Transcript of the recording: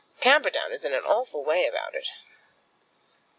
Camperdown is in an awful way about it."